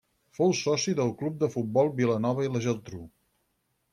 Fou soci del Club de Futbol Vilanova i la Geltrú.